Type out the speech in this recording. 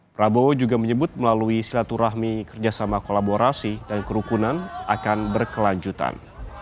prabowo juga menyebut melalui silaturahmi kerjasama kolaborasi dan kerukunan akan berkelanjutan